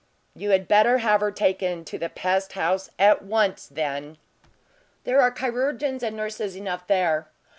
"You had better have her taken to the pest house at once, then; there are chirurgeons and nurses enough there."